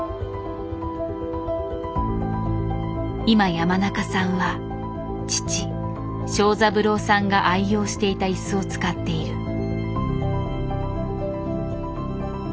今山中さんは父・章三郎さんが愛用していた椅子を使っている。